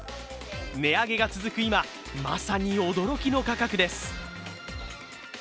値上げが続く今、まさに驚きの価格です。